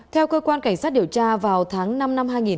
theo cơ quan cảnh sát điều tra vào tháng năm năm hai nghìn hai mươi ba